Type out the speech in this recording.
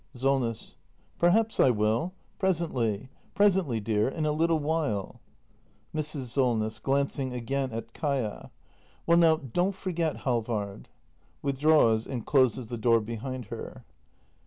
Solness. Perhaps I will. Presently, presently, dear. In a little while. Mrs. Solness. [Glancing again at Kaia.] Well now, don't forget, Halvard. [Withdraws and closes the door behind her.